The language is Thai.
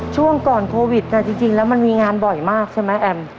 ช่วงก่อนโควิดจริงแล้วมันมีงานบ่อยมากใช่ไหมแอม